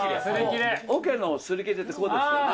おけのすり切れってこれですよね。